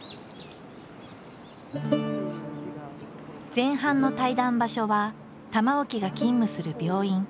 前半の対談場所は玉置が勤務する病院。